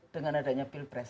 dengan adanya pilpres